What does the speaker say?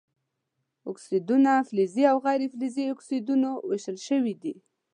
اکسایدونه فلزي او غیر فلزي اکسایدونو ویشل شوي دي.